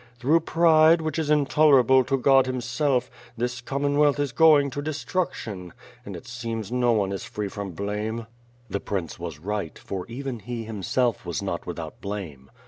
Through pride, which is intolerable to God himself, this Commonwealth is going to destruction, and it seems no on^ is free from blame " "The prince was right; for even he, himself, was not with out blame.